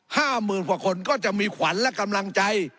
ห้าหมื่นกว่าคนก็จะมีขวัญและกำลังใจ